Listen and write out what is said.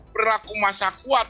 berlaku masa kuat